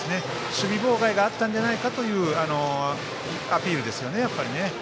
守備妨害があったんじゃないかというアピールですね。